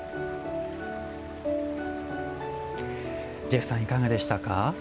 ジェフさんいかがでしたか？